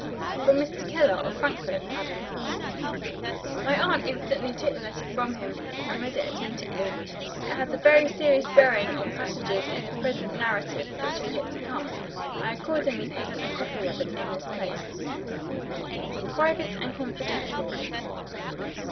"From Mr. Keller, of Frankfort, madam." My aunt instantly took the letter from him, and read it attentively. It has a very serious bearing on passages in the present narrative which are yet to come. I accordingly present a copy of it in this place: "Private and confidential.